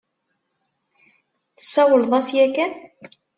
Tesawleḍ-as yakan?